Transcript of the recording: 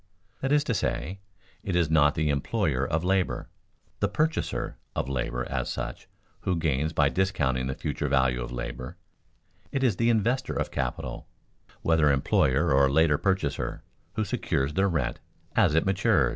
That is to say, it is not the employer of labor, the purchaser of labor as such, who gains by discounting the future value of labor; it is the investor of capital (whether employer or later purchaser) who secures the rent as it matures.